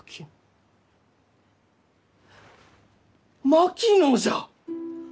槙野じゃ！